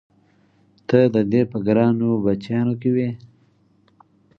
ته د دې په ګرانو بچیانو کې وې؟